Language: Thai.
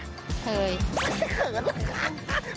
เกิดกะขัง